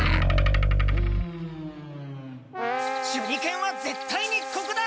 手裏剣はぜったいにここだ！